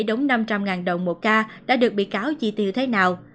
đóng năm trăm linh đồng một ca đã được bị cáo chi tiêu thế nào